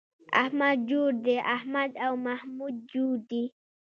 احمد جوړ دی → احمد او محمود جوړ دي